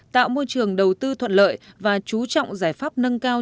tạo môi trường đầu tư thuận lợi và chú trọng giải pháp nâng cao